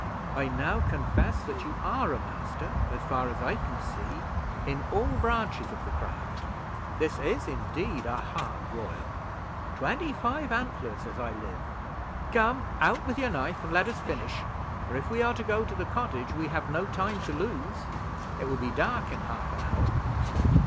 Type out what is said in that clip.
I now confess that you are a master, as far as I can see, in all branches of the craft. This is indeed a hart royal. Twenty five antlers, as I live! Come, out with your knife, and let us finish; for if we are to go to the cottage, we have no time to lose. It will be dark in half an hour."